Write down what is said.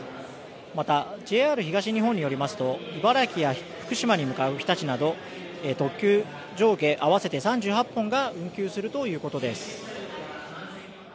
また、ＪＲ東日本によりますと茨城や福島に向かうひたちなど特急、上下合わせて３８本が運休するということです。